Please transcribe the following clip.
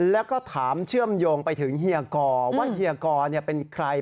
แล้วก็ถามเชื่อมโยงไปถึงเฮียกอว่าเฮียกอเป็นใคร